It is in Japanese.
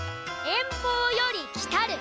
遠方より来たる。